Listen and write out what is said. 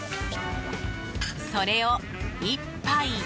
それを、１杯。